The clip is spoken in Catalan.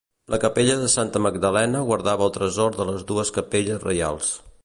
La capella de Santa Magdalena guardava el tresor de les dues capelles reials.